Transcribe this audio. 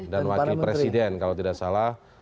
dan wakil presiden kalau tidak salah